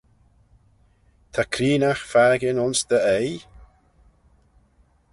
Ta creenaght fakin ayns dty oaie?